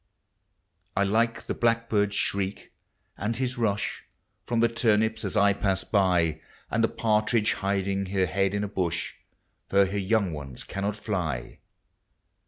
1 like the blackbird's shriek, and his rush From the turnips as I pass by. And the partridge hiding her head in a bush. For her young ones cannot fly.